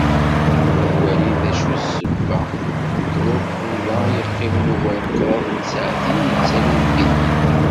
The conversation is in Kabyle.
Ad walin d acu d ssebba n wabbu-a i yeqqimen ugar n kraḍ n tsaɛtin yettali deg yigenni.